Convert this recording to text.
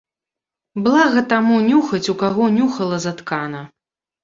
Блага таму нюхаць, у каго нюхала заткана.